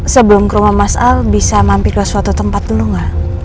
sebelum ke rumah mas al bisa mampir ke suatu tempat dulu nggak